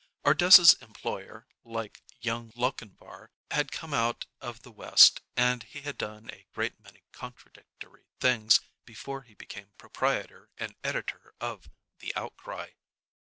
Ardessa's employer, like young Lochinvar, had come out of the West, and he had done a great many contradictory things before he became proprietor and editor of "The Outcry."